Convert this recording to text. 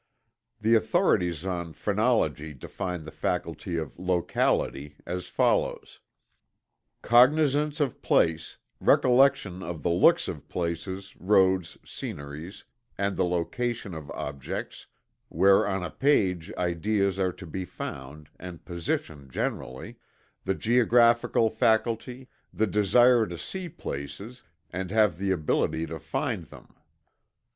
The authorities on phrenology define the faculty of "locality" as follows: "Cognizance of place; recollection of the looks of places, roads, scenery, and the location of objects; where on a page ideas are to be found, and position generally; the geographical faculty; the desire to see places, and have the ability to find them."